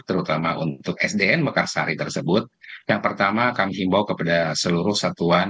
terutama untuk sdn mekarsari tersebut yang pertama kami himbau kepada seluruh satuan